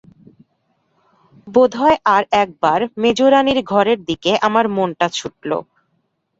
বোধ হয় আর-একবার মেজোরানীর ঘরের দিকে আমার মনটা ছুটল।